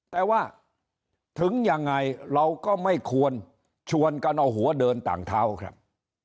แต่ว่าถึงยังไงเราก็ไม่ควรชวนกันเอาหัวเดินต่างเท้าครับ